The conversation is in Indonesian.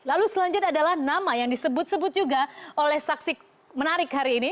lalu selanjutnya adalah nama yang disebut sebut juga oleh saksi menarik hari ini